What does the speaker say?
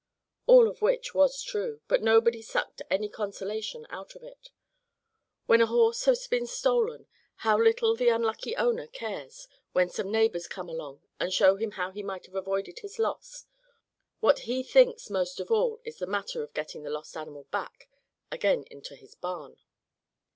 All of which was true, but nobody sucked any consolation out of it. When a horse has been stolen, how little the unlucky owner cares when some neighbors come along and show him how he might have avoided his loss; what he thinks of most of all is the matter of getting the lost animal back again into his barn.